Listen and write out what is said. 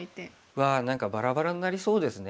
わあ何かバラバラになりそうですね